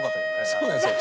「そうなんですよ。